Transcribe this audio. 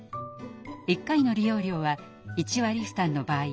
１回の利用料は１割負担の場合